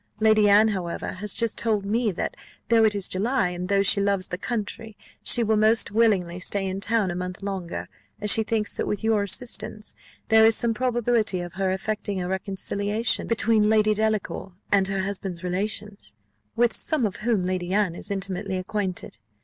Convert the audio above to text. Lady Anne, however, has just told me, that, though it is July, and though she loves the country, she will most willingly stay in town a month longer, as she thinks that, with your assistance, there is some probability of her effecting a reconciliation between Lady Delacour and her husband's relations, with some of whom Lady Anne is intimately acquainted.